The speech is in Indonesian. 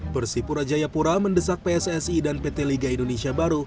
persipura jayapura mendesak pssi dan pt liga indonesia baru